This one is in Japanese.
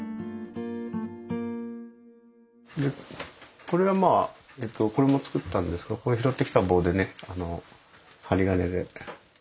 これはまあこれも作ったんですがこれ拾ってきた棒でね針金で。